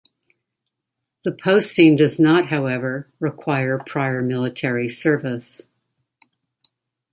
The posting does not however require prior military service.